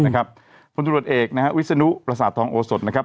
คนตรวจเอกนะฮะวิศนุประสาททองโอสดนะครับ